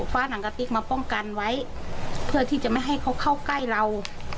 หนังกะติ๊กมาป้องกันไว้เพื่อที่จะไม่ให้เขาเข้าใกล้เรา